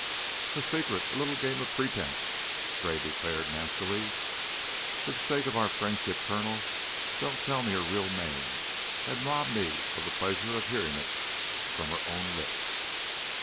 "A secret! A little game of pretense," Gray declared, nastily. "For the sake of our friendship, Colonel, don't tell me her real name and rob me of the pleasure of hearing it from her own lips.